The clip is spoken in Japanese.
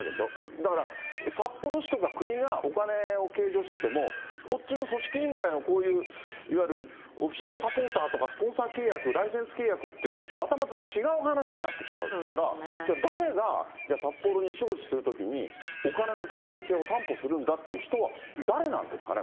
だから札幌市とか国がお金を計上してても、こっちの組織委員会のこういう、いわゆるオフィシャルサポーターとか、スポンサー契約、ライセンス契約ってまたまた違う話になってきちゃうから、じゃあ、誰が札幌に招致するときに、お金の透明性を担保するんだって人は、誰なんですかね？